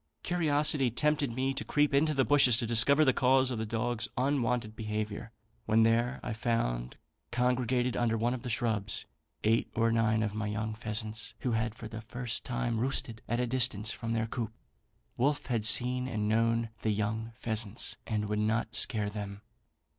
Curiosity tempted me to creep into the bushes to discover the cause of the dog's unwonted behaviour; when there, I found, congregated under one of the shrubs, eight or nine of my young pheasants, who had for the first time roosted at a distance from their coop. Wolfe had seen and known the young pheasants, and would not scare them.